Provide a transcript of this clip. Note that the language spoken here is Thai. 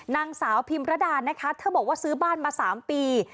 นางสาวพิมรดานะคะเธอบอกว่าซื้อบ้านมา๓ปี